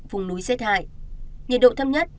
vùng núi rét hại nhiệt độ thấp nhất